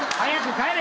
帰れ。